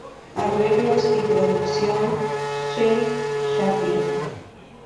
Arreglos Y producción:Shel Shapiro